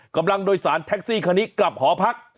กำลังโดยสารแท็กซี่คันนี้กลับหอพัก